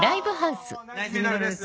ナイスミドルです